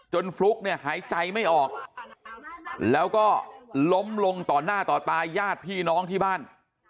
ฟลุ๊กเนี่ยหายใจไม่ออกแล้วก็ล้มลงต่อหน้าต่อตาญาติพี่น้องที่บ้าน